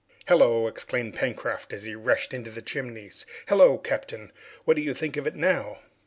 "Hallo," exclaimed Pencroft as he rushed into the Chimneys, "hallo, captain! What do you think of it, now?"